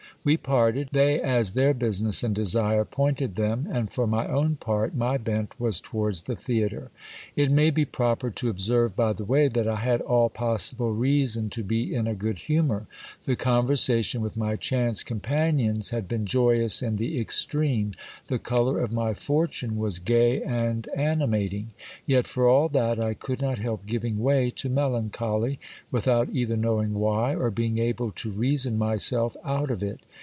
We parted ; they as their business and desire pointed them ; and, for my own part, my bent was towards the theatre. It may be proper to observe by the way, that I had all possible reason to be in a good humour. The conversation with my chance companions had been joyous in the extreme; the colour of my fortune was gay and animating ; yet for all that I could hot help giving way to melancholy, without either knowing why, or being able to reason myself out of it.